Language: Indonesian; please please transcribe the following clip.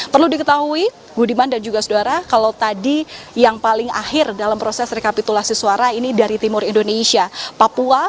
perlu diketahui budiman dan juga saudara kalau tadi yang paling akhir dalam proses rekapitulasi suara ini dari timur indonesia papua